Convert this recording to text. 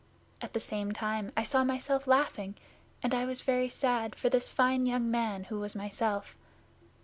At the same time I saw myself laughing, and I was very sad for this fine young man, who was myself.